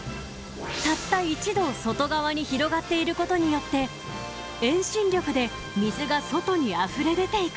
たった１度外側に広がっていることによって遠心力で水が外にあふれ出ていくのです。